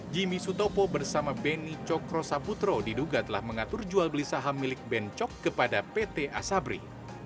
jimmy sutopo bersama beni cokro sabutro diduga telah mengatur jual beli saham milik ben cok kepada pt asabri